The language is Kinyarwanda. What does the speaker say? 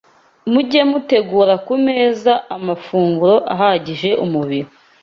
Mujye mutegura ku meza amafunguro ahagije umubiri